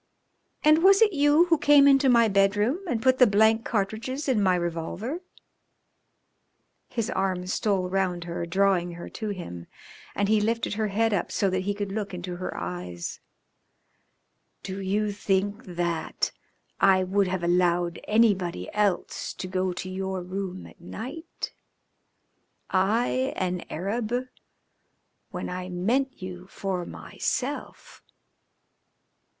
"And was it you who came into my bedroom and put the blank cartridges in my revolver?" His arm stole round her, drawing her to him, and he lifted her head up so that he could look into her eyes. "Do you think that I would have allowed anybody else to go to your room at night? I, an Arab, when I meant you for myself?"